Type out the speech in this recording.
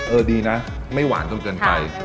ดีนะไม่หวานจนเกินไป